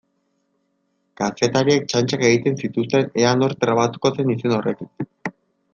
Kazetariek txantxak egiten zituzten ea nor trabatuko zen izen horrekin.